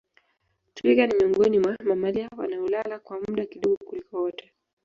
Twiga ni miongoni mwa mamalia wanaolala kwa muda kidogo kuliko wote